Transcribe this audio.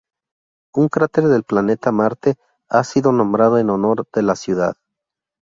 Un cráter del planeta Marte ha sido nombrado en honor de la ciudad.